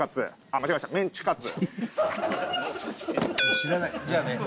知らないじゃあね。